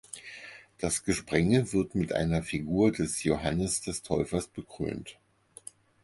Das Gesprenge wird mit einer Figur des Johannes des Täufers bekrönt.